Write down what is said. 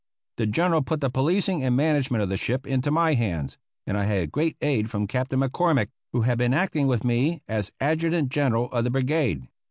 The General put the policing and management of the ship into my hands, and I had great aid from Captain McCormick, who had been acting with me as adjutant general of the brigade.